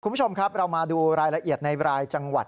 คุณผู้ชมครับเรามาดูรายละเอียดในรายจังหวัด